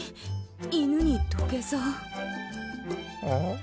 犬に土下座？